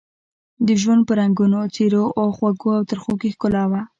د ژوند په رنګونو، څېرو او خوږو او ترخو کې ښکلا وه.